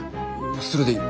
それでいい。